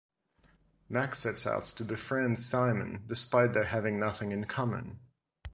Mack sets out to befriend Simon, despite their having nothing in common.